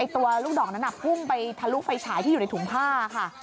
ตัวลูกดอกนั้นพุ่งไปทะลุไฟฉายที่อยู่ในถุงผ้าค่ะ